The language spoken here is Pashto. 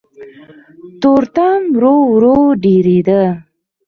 تورتم ورو ورو ډېرېده.